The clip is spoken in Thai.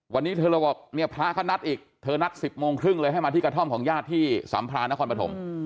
วันนี้เธอเลยบอกเนี่ยพระเขานัดอีกเธอนัด๑๐โมงครึ่งเลยให้มาที่กระท่อมของญาติที่สัมพรานนครปฐม